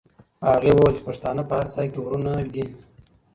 هغې وویل چې پښتانه په هر ځای کې وروڼه دي.